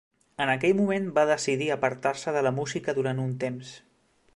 En aquell moment va decidir apartar-se de la música durant un temps.